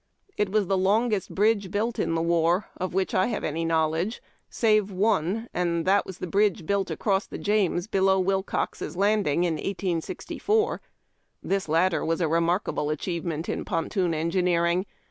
It was the longest bridge built in tlie war, of which I have any knowledge, save one, and that the bridge built across the James, below Wilcox's Landing, in 1864. This latter was a remarkable achievement in ponton engineering.